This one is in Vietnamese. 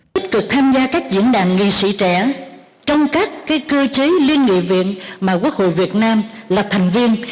tích cực tham gia các diễn đàn nghị sĩ trẻ trong các cơ chế liên nghị viện mà quốc hội việt nam là thành viên